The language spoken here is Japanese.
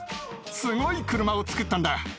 すごい車を作ったんだ。